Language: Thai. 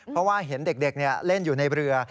เพราะว่าเห็นเด็กเล่นอยู่ในเรือ